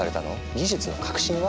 技術の革新は？